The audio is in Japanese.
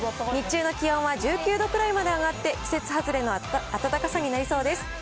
日中の気温は、１９度ぐらいまで上がって、季節外れの暖かさになりそうです。